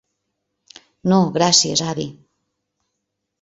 No gràcies, avi.